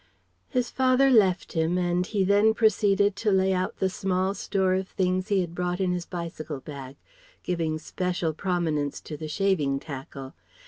His father left him and he then proceeded to lay out the small store of things he had brought in his bicycle bag, giving special prominence to the shaving tackle.